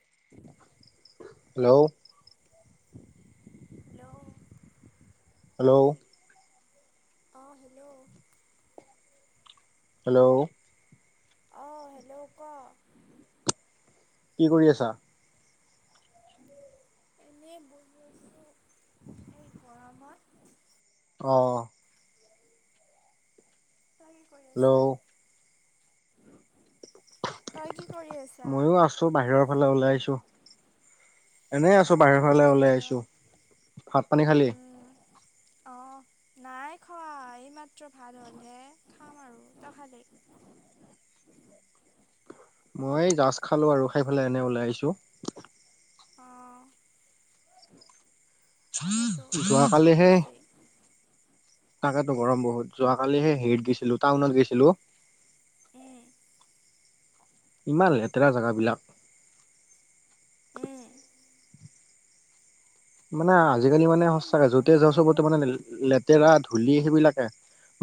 [unintelligible] Hello hello hello অঁ hello hello অ hello ক কি কৰি আছা? এনেই বহি আছোঁ এই গৰমত অ অ তই কি কৰি আছা হেল্ল' তই কি কৰি আছা ময়ো আছো বাহিৰৰ ফালে ওলাই আহিছো এনেই আছো অঁ বাহিৰৰ ফালে বহুত ওলাই গৰম আহিছো ভাত পানী খালি অহ নাই খোৱা এই মাত্ৰ ভাল হ'লহে খাম আৰু তই খালি [unintelligible] মই এই যাষ্ট খালো আৰু খাই পেলাই এনে ওলাই আহিছোঁ অঁ তাকেতো বহুত গৰম যোৱাকালিহে দিছে তাকেতো গৰম বহুত যোৱাকালিহে হেৰিত গৈছিলোঁ টাউনত গৈছিলোঁ উম ইমান লেতেৰা জেগাবিলাক উম মানে আজিকালি মানে এই সঁচাকৈ য'তে মানুহে যাও আৰু চবতে মানে লেতেৰা ধূলি সেইবিলাকে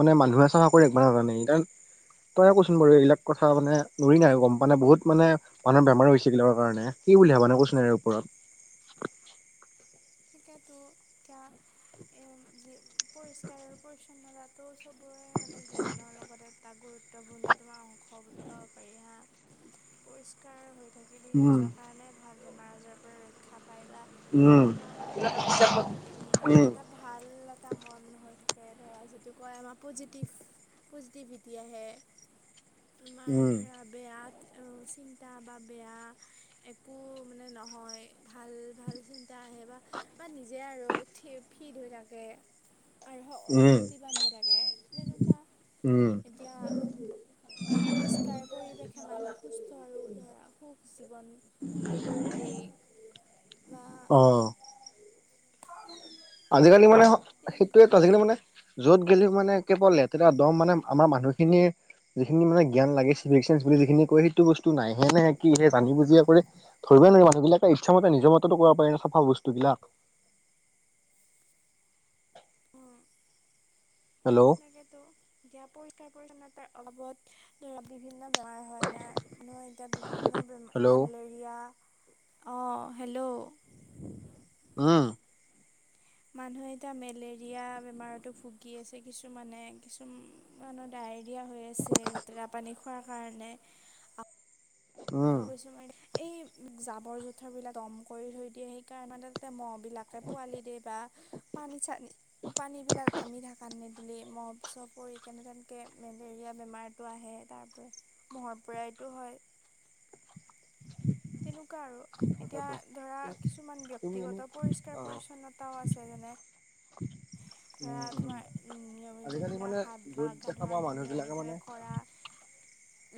মানে মানুহে চফা কৰি উম ৰাখিব নাজানে তইয়ে কচোন বাৰু এইবিলাক কথা মানে নুৰি নাই গম পোৱা নাই বহুত মানে মানুহৰ বেমাৰো হৈছে এইবিলাকৰ কাৰণে কি বুলি ভাবানো কোৱাচোন ইয়াৰ ওপৰত ঠিকেতো এতিয়া এ যি পৰিষ্কাৰ পৰিচ্ছন্নতা তো সবৰে মানে জীৱনৰ লগত এটা গুৰুত্ব গুৰুত্বপূৰ্ণ তোমাৰ অংশ বুলি ক'ব পাৰি হা পৰিস্কাৰ থাকিলে উম, নিজৰ কাৰণে ভাল বেমাৰ আজাৰৰ পৰা ৰক্ষা পায় বা উম, তোমাৰ এ উ উম, এটা ভাল এটা মন হয় তাৰ পৰা যিটো মানে পজিটিভ পজিটিভিটি আহে আমাৰ উম, ধৰা বেয়া চিন্তা বা বেয়া একো মানে নহয় ভাল ভাল চিন্তা আহে ন বা নিজে আৰু উঠি ফিট হৈ থাকে আৰু উম, শক্তিবান হৈ থাকে তেনেকোৱা উম, এতিয়া পৰিষ্কাৰ পৰিৱেশে মানুহক সুস্থ আৰু ধৰা সুখ জীৱন এই অহ আজিকালি মানে তেনেকুৱা সেইটোৱে আজিকালি মানে য'ত গ'লেও মানে কেৱল লেতেৰা দম মানে আমাৰ মানুহখিনিৰ যিখিনি মানে জ্ঞান লাগে ভেলোৱেন্স বুলি যিখিনি কয় সেইটো বস্তু নাই হে নেহে কি নে সে জানি বুজিয়ে কৰে ধ মানুহবিলাকে ইচ্ছা মতে নিজ মতেতো কৰিব পাৰি ন চাফা বস্তুবিলাক হেল্ল' তাকেতো দিয়া পৰিষ্কাৰ পৰি্ছন্নতাৰ অভাবত ধৰা বিভিন্ন বেমাৰ হয় নাই মানুহ এতিয়া বিভিন্ন বেমাৰ হেল্ল' এতিয়া মেলেৰিয়া অ হেল্ল' উ মানুহে এতিয়া মেলেৰিয়া বেমাৰতো ভুগি আছে কিছুমানে কিছু মানুৰ ডায় হৈ আছে লেতেৰা পানী খোৱাৰ কাৰণে ম উম, এই জাবৰ জোথৰ বিলাক দম কৰি থৈ দিয়ে সেইকাৰণে বিলাকতো আনি দিয়ে বা পানী চাই পানী বিলাক আনি থাকে দিল মহ চহ পৰি কেনে তেনকৈ মেলেৰিয়া বেমাৰটো আহে তাৰ পৰা মহৰ পৰাই [unintelligible] [unintelligible] তেনেকোৱা আৰু এতিয়া তাকেতো ধৰা কিছুমান তুমি এনে ব্যক্তিগত পৰিষ্কাৰ পৰিচ্ছন্নতাও আছে যেনে ক ধৰা তোমাৰ নিয়মিত যদি তোম মানে হাত ধোৱা য'ত গা দেখা পাওঁ ধোৱাখিনি মানুহবিলাকে মানে নিয়মিতভাৱে কৰা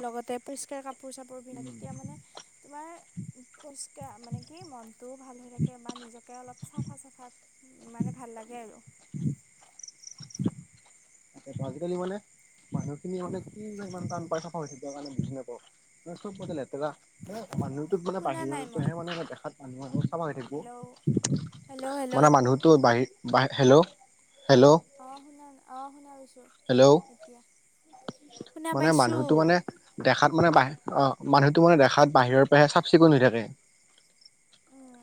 লগতে পৰিষ্কাৰ কাপোৰ চাপোৰ পিন্ধে উম, তেতিয়া মানে তোমাৰ [unintelligible] পৰিষ্কাৰ মানে কি মনতটোও ভাল হৈ থাকে বা নিজকে অলপ চাফা চাফাত মানে ভাল লাগে এ [unintelligible] তাক আজিকালি মানে মানুহখিনি মানে কি ইমান টান চাফা তাফা হৈ থাকিবৰ কাৰণে বুজি নাপাও চব ব ৰা মানুহটোত মানে শুনা নাই মই বাহিৰতোহে মানে দেখাত মানুহ হেল্ল' হেল্ল' থাকব হেল্ল' মানে মানুহটো বাহিৰ হেল্ল' হেল্ল' অ শুনা আহ হেল্ল' শুনা মানে পাইছোঁ মানুহটো মানে দেখাত মানে বাহ অ মানুহতটো মানে দেখাত বাহিৰৰ পৰাহে চাফ চিকুণ হৈ থাকে উম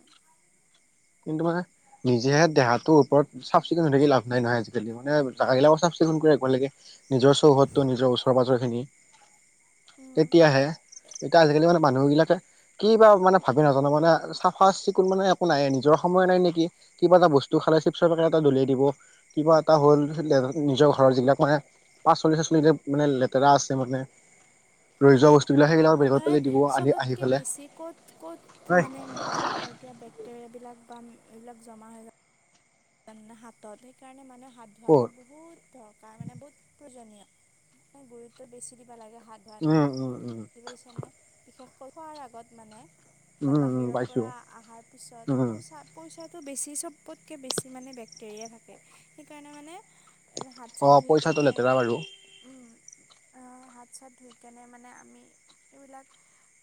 কিন্তু মানে নিজেহে দেহাটোৰ ওপৰত চাফ চিকুণ হৈ থাকি লাভ নাই নহয় আজিকালি মানে জাগ গিলাক চাফ সোনক একাল লাগে নিজৰ চৌহদতটো নিজৰ ওচৰে পাজৰ খিনি উম তেতিয়াহে এতিয়া আজিকালি মানে উম মানুহ বিলাকে কি বা মানে ভাবে নাজানো মানে চাফা চিকুণ মানে একো নাইি ন নে কিবা এটা বস্ত খালে দিয়াই দিব কিবা এটা হ ঘৰৰ যিবগিলাক মানে পাচ চলি চ চলিতি মানে লেতেৰা আছে মানে ৰৈ উম য মানুহে চবতকে বেছি কত কত হয় মানে তোমাৰ এতিয়া বেক্টেৰিয়া বিলাক পাম এইবিলাক জমা হৈ যায় হাতত সেইকাৰণে মানুহে হাত ধোৱাটো ক'ত বহুত দৰকাৰ মানে বহুত প্ৰয়োজনীয় গুৰুত্ব বেছি দিবা লাগে হাত ভাত উম উম উম দিবিছে নে বিশেষ খোৱাৰ আগত মানে বা উম উম বাহিৰৰ পাইছো পৰা অহাৰ পিছত উম পইচা পইচা তো বেছি চবতকৈ বেছি মানে বেক্টেৰিয়া থাকে সেইকাৰণে মানে হাত অ চাত ধুই পইচাটো কেনে লেতেৰা বাৰু উম [inaudible] হাত চাত ধুই কেনে মানে আমি এইবিলাক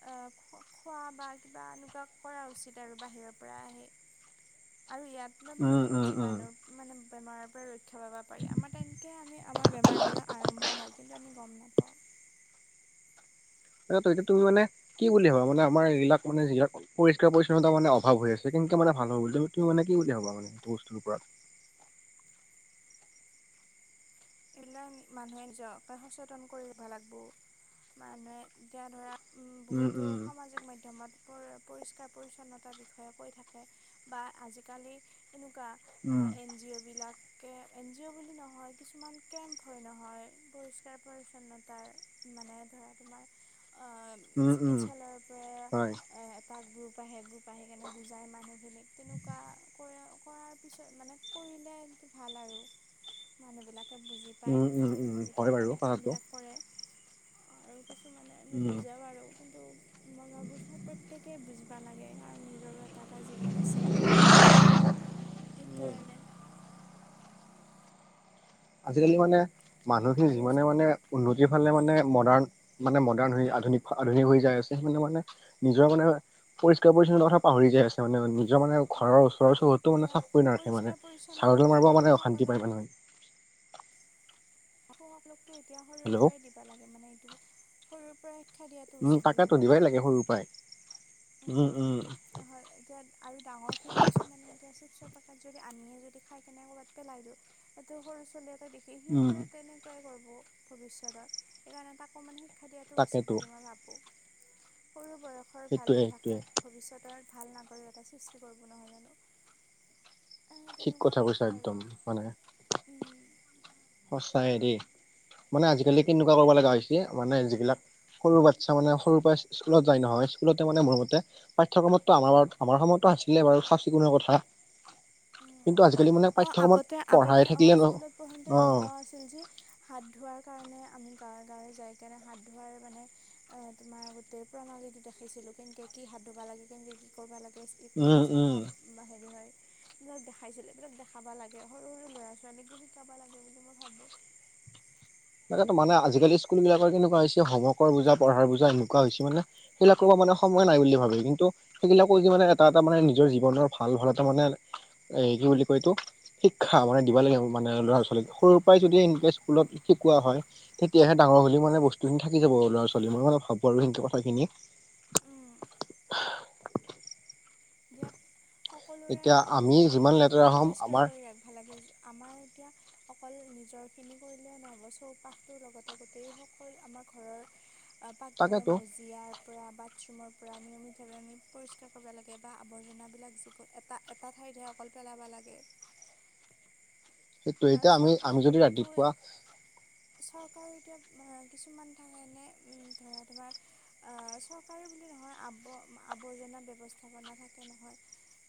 আহ খোৱা বা কিবা এনেকুৱা কৰা উচিত আৰু বাহিৰৰ পৰা আহি হয় আৰু ইয়াত ম মানে বহুত জীৱণু মানে বেমাৰৰ পৰা ৰক্ষা খ পাব পাৰি আমাৰ তেনেকৈ আমি আমাৰ বেমাৰবিলাক আৰম্ভ হয় কিন্তু আমি গম নাপওঁ ততিয়া তুমি মানে কি বুলি ভাবা মানে আমাৰ এইবিলাক মানে যাক পৰিষ্কাৰ পৰিচ্ছন্নতা মানে অভাৱ হৈ আছে কিন্তু সকে মানে ভাল হ'ব বুলি তু মানে কি বুলি ভাববা মানেটো বস্তুৰওপৰত এইবিলাক মানুহে নিজককে সচেতন কৰিব লাগিবো মানুহে এতিয়া ধৰা উম বহুতো সামাজিক মাধ্যমত। পৰি পৰিষ্কাৰ পৰি্ছন্নতাৰ বিষয়ে কৈ থাকে বা আজিকালি এনেকুৱা উম, এন জি অ' বিলাক এন জি অ' বুলি নহয় কিছুমান কেম্প হয় নহয় পৰিষ্কাৰ পৰিচ্ছন্নতাৰ মানে ধৰা তোমাৰ উম, উম, চিকিৎসালয়ৰ পৰা হয়, এটা গ্ৰুপ আহে্ৰ সেইণে বুজাই মানুহখিনিক তেনেকুৱা কৰে কৰাৰ পিছত মানে কৰিলে ভাল আৰু মানুহ বিলাক তে বুজি পায় উম, উম, কিছুমান উম, বুজি হয় পাই বাৰু কেনে কথাটো কামবিলাক কৰে কিছু মানে উম। নুবুজাও আৰু কিন্তু মই ভাবো চো প্ৰত্যেকেই বুজিব লাগে কাৰণ নিজৰো এটা জীৱন আছে সেইকাৰণে আজিকালি মানে মানুহখিনি আৰু যিমানে যদি মানে উন্নতি যিফালে মানে মডাৰ্ণ মানে মডাৰ্ণ হৈ আধুনিক আধুনিক হৈ যায় আছে মানে মানে নিজৰ মানে পৰিষ্কাৰ পৰিচ্ছন্নতথা পাহৰি যাই আছে মানে নিজ মানে ঘৰৰ ওচৰ চহৰতত এয়া মানোফ কৰি নাৰখে মে পৰিষ্কাৰ চাগডল পৰিচ্ছন্নতাটো মাৰব মানে অশান্ত শিশুসকলক পায় মানহয় [inaudible] লোকতটো এতিয়া সৰৰ হেল্ল' পৰাই দিবা লাগে মানে এইটো শৰুৰ পৰাই শিক্ষা দিয়াটো উম টাকাতটো দিবাই লাগে সৰু পৰাই উম এতিয়া আৰু ডাঙৰ খিনি কিছু মানে এতিয়া তাত যদি আমিয়ে যদি খাই কেনে কৰ'ৰবাত পেলাই দিওঁ এইটো সৰু ছোৱালী এতে দেখি উম, সিহঁতে তেনেকুৱাই ভৱিষ্যতত সেইকাৰণে তাকো মানে শিক্ষা দিয়াটো উচিত তাকেতো বুলি মই ভাবো সৰু বয়সৰ ভাল সেইটোয়ে অভ্যাসে সেইটোয়ে ভৱিষ্যতৰ ভাল নাগৰি এটা সৃষ্টি কৰিব নহয় জানো ঠিক কথা কৈছা একদম মানে সচাইে দেই মানে আজিকালি কেনেকুৱা কৰিব লগা হৈছে মানে যিবিলাক সৰু বাচ্ছা মানে সৰ পৰাই স্কুলত যায় নহয় স্কুলতে মানে মোৰ মতে পাঠ্যক্ৰমটো আমাৰ আমাৰয়তো নাছিলে বাৰু চাফ চিকুণৰ কথা আৰু কিন্তু আজিকালি মানে অঁ পাঠ্যক্ৰমত আগতে পঢ়াই আগতে অঁ থাকিলে স্কুলত নহ পঢ়োঁতে এনেকুৱাও আছিল যে হাত ধোৱাৰ কাৰণে আমি গাঁৱে গাঁৱে যাই কেনে হাত ধোৱাৰ মানে অ তোমাৰ আতে প্ৰণালীটো দেখাইছিলো কেনকে কি হাত ধুবা লাগে কেনেকে কি কৰিব লাগে গে কোনটো উম, উম, চাফা হেৰি হয় এইবিলাক দেখাইছিলে বিলাক দেখাবা লাগে সৰু সৰু লৰা ছোৱালীকো শিকাবা লাগে বুলি মই ভাবো মানে আজিকালি্ স্কুল বিলাকৰ কেনেকুৱা হৈছে হমৱৰ্কৰ বুজা পঢ়াৰ বুজা এনেকুৱা হৈছে মানে সেইবিলাকৰ পৰা মানে সময় নাই বুলি ভাবে কিন্তু সেইবিলাকো যে মানে এটা এটা মানে নিজৰ জীৱনৰ ভাল ভাল এটা মানে এ কি বুলি কয়তো শিক্ষা মানে দিব লাগে মানে ল'ৰাৱালীক সৰুৰ পৰাই যদি এ স্কুলত শিকোৱা হয় তেতিয়াহে ডাঙৰ হ' মানে বস্তুখিনি থাকি যাব ল'ৰা ছোৱালী মই মানে ভাবো আৰু স কথাখিনি [inaudible] দিয়া সকলোৰে এতিয়া ঘৰ আমি বিলাকো যিমান পৰি লেতেৰা হ'ম পৰিষ্কাৰ আমাৰ কৰি ৰাখিবা লাগে। আমাৰ এতিয়া অকল নিজৰ খিনি কৰিলে নহ'ব চৌপাশটোৰ লগতে গোটেই সকল আমাৰ। ঘৰৰ। পাকঘৰৰ তাকেতো মজিয়াৰ পৰা বাথৰুমৰ পৰা নিয়মিতভাৱে আমি পৰিষ্কাৰ কৰিব লাগে। বা আৱৰ্জনাবিলাক যোন এ এটা ঠাইতে অকল পেলাব লাগে। সেইটো আৰু এতিয়া আমি আমি চৰকাৰে যদি বহুতো ৰাতিপুৱা। চৰকাৰৰ এতিয়া কিছুমান থাকেনে ধৰা তোমাৰ চৰকাৰী বুলি নহয় আ। আৱৰ্জনা ব্যৱস্থাপনা থাকে নহয়।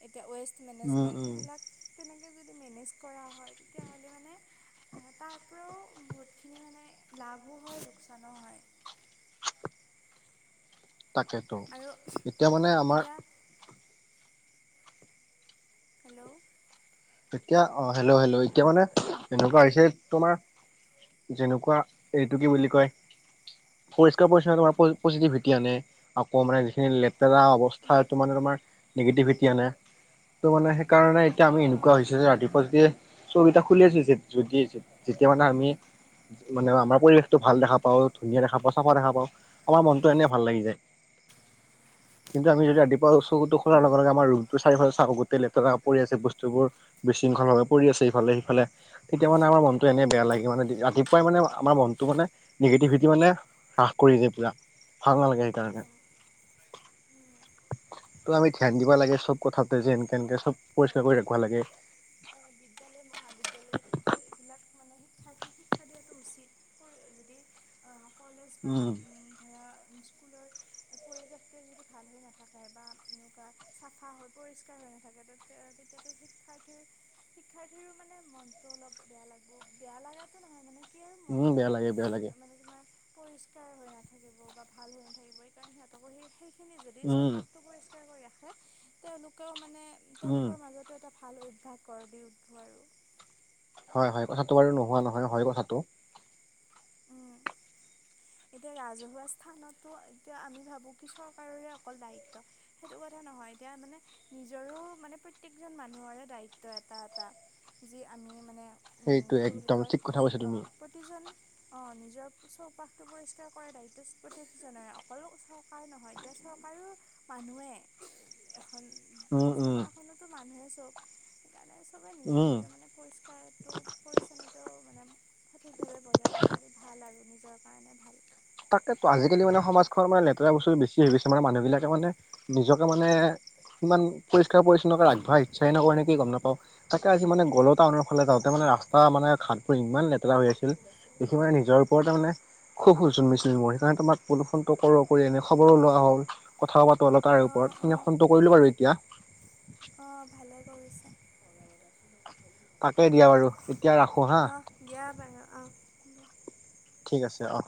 এতিয়া ৱেষ্ট উম মেনেজমেণ্ট উম সেইবিলাক তেনেকৈ যদি মেনেজ কৰা হয় তেতিয়াহ'লে মানে। তাৰ পৰাও বহুতখিনি মানে লাভো হয় লোকচানো হয়। তাকেতো আৰু এতিয়া মানে আমাৰ। এতিয়া হেল্ল'। এতিয়া অ হেল্ল' হেল্ল' এতিয়া মানে এনেকুৱা হৈছে তোমাৰ। যেনেকুৱা এইটো কি বুলি কয়। পৰিষ্কাৰ পৰিচ্ছন্নত পজিটিভিটি আনে আকৌ মানে যিখিনি লেতেৰা অৱস্থাটো মানে ত। মানে সেইকাৰণে এতিয়া আমি। এা হৈছে ৰাতিপুৱা যেতিয়া চকেইটা খুলি আছে যদি যেতিয়া মানে আমি। মানে আমাৰ পৰিৱেশতটো ভাল দেখা পাও ধুনীয়া দেখা পাওঁ চাফা দেখা পাও আমাৰ মনতটো এনে ভাল লাগি যায়। [unintelligible] কিন্তু আমি যদি ৰাতিপুৱা চকুো খোলাৰ লগে লগে আমাৰ ম চিফাল চওঁ গোটেই লেপ পৰি আছে বস্তু। বস্তুবোৰ বিশৃংখল ভাৱে পৰি আছে ইফালে সিফালে। তেতিয়া মানে আমাৰ মনটো এনেই বেয়া লাগে মানে অঁ ৰাতিপুৱাই মানে। আমাৰ মনটো মানে নিগেটিভিটি মানে হ্ৰাস কৰি যায় পুৰা ভাল নালাগে সেইকাৰণে। ত আমি ধ্যান দিবা লাগে চব কথাতে যে এনকে সেইটোৱেতো এনকে চব পইচা। আমাৰ লগতে এতিয়া বিদ্যয়ালয় মহাবিদ্যয়ালয়ো এইবিলাক। মানে শিক্ষাৰ্থীক শিক্ষা দিয়াটো উচিত পৰি যদি। কলেজ বা উম উ ধৰা। স্কুলৰ পৰিৱেশটো যদি ভাল হৈ নাথাকে বা এনেকুৱা। চাফা হৈ পৰিষ্কাৰ হৈ নাথাকে তেতিয়াতো শিক্ষাৰ্থীৰ শিক্ষাৰ্থীৰো মানে মনটো। অলপ বেয়া লাগব বেয়া লগা নহয় মানে কি আৰু উম মনতো বেয়া অলপ লাগে বেয়া লাগে মানে তোমাৰ। পৰিষ্কাৰ হৈ নাথাকিব বা ভাল হৈ নাথাকিব এইকাৰণে সিহঁতকো সেই সেইখিনি যদি চব উম, পাতটো পৰিষ্কাৰ। কৰি ৰাে তেওঁলোকেও মানে উম। তেওঁলোকৰ মাজতো এটা। ভাল অভ্যাস কৰ দি উঠব আৰু। হয়, হয় কথাটো বাৰু নোহোৱা নহয় হয় কথাটো। উম। এতিয়া ৰাজহুৱা স্থানতো এতিয়া আমি ভাবো কি চৰকাৰৰে অকল দায়িত্ব সেইটো কথা। নহয় এতিয়া মানে নিজৰো মানে প্ৰত্যকজন মানুহৰে দায়িত্ব এটা এটা। যি আমি মানে। সেইটো একদম ঠিক কথা কৈছা তুমি। অ নিজৰ চৌপাশ টো পৰিষ্কাৰ কৰে দায়িত্ব প্ৰত্যেক জনৰে অকলো চৰকাৰ নহয় এতিয়া চৰকাৰো মানুহে। [unintelligible] এখন উম, উম, চৰকাৰখনতো মানুহে চব সেইকাৰণে চবে নিজৰ উম। নিজৰ মানে পৰিষ্কাৰটো পৰিছন্নতাও মানে সঠিক ভাৱে বজাই ৰাখিলে ভাল। ভাল আৰু নিজৰ কাৰণে ভাল। তাকেতো আজিকালি মানে সমাজখনত মানে লেতেৰা বস্তু বেছি হৈ গৈছে মানে মানুহ বিলাকে মানে নিজকে মানে ইমান পৰিষ্কাৰ পৰিছন্নতা ৰাখব ইচ্ছাই নকৰে নেকি গম নাপাওঁ তাকে আজি মানে গল টাউনৰ ফালে যাওঁতে মানে ৰাস্তা মানে ঘাটবোৰ ইমান লেতেৰা হৈ আছিল দেখি মানে নিজৰ ওপৰতে মানে খুব মই, সেইকাৰণে তোমাক বোলো ফোনটো কৰোঁ কৰি এনে খবৰো লোৱা হ'ল কথা পাতো অলপ তাৰে অঁ অঁ ওপৰত। কৰিলোঁ বাৰু এতিয়া। অঁ ভালে কৰিছা। তাকে দিয়া বাৰু। এতিয়া ৰাখোঁ হা অহ দিয়া বাৰু অহ হ'ব। ঠিক আছে অহ